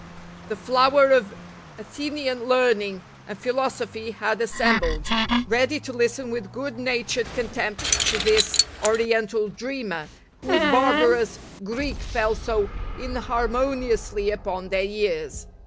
The flower of Athenian learning and phil osophy had assembled, ready to listen with good natured contempt to this Oriental dreamer, whose barbarous Greek fell so in harmoniously upon their ears.